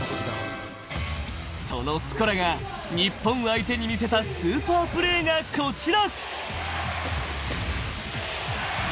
そのスコラ、日本相手に見せたスーパープレーがこちら。